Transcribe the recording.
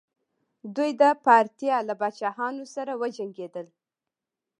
دوی د پارتیا له پاچاهانو سره وجنګیدل